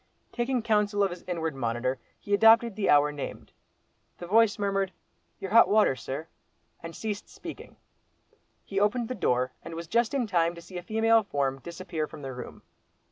Taking counsel of his inward monitor, he adopted the hour named. The voice murmured, "Your hot water, sir," and ceased speaking. He opened the door, and was just in time to see a female form disappear from the room.